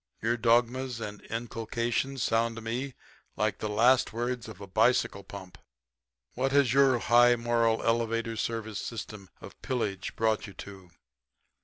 Your dogmas and inculcations sound to me like the last words of a bicycle pump. What has your high moral, elevator service system of pillage brought you to?